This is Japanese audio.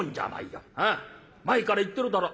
前から言ってるだろ？